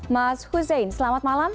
mas husein selamat malam